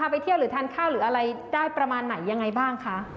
ไปเที่ยวหรือทานข้าวหรืออะไรได้ประมาณไหนยังไงบ้างคะ